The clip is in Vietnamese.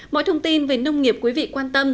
mọi thông tin về nông nghiệp quý vị quan tâm